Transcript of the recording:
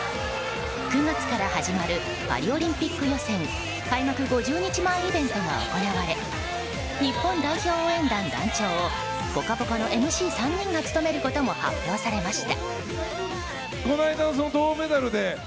９月から始まるパリオリンピック予選開幕５０日前イベントが行われ日本代表応援団団長を「ぽかぽか」のＭＣ３人が務めることも発表されました。